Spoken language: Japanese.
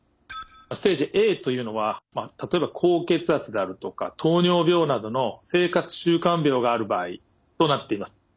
ステージＡというのは例えば高血圧であるとか糖尿病などの生活習慣病がある場合となっています。